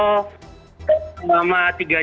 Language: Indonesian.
untuk gerhana bulan total